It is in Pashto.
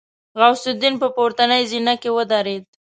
غوث الدين په پورتنۍ زينه کې ودرېد.